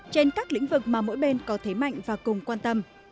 trên các lĩnh vực mà mỗi bên có thế mạnh và cùng quan tâm